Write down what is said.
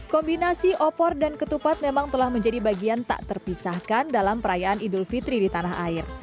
kombinasi opor dan ketupat memang telah menjadi bagian tak terpisahkan dalam perayaan idul fitri di tanah air